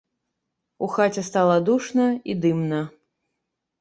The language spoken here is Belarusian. У хаце стала душна і дымна.